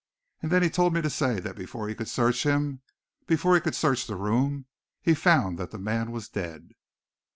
And then he told me to say that before he could search him, before he could search the room, he found that the man was dead."